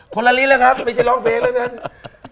ละลิ้นแล้วครับไม่ใช่ร้องเพลงแล้วนะครับ